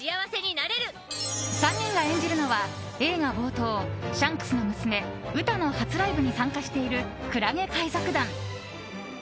３人が演じるのは、映画冒頭シャンクスの娘ウタの初ライブに参加しているクラゲ海賊団。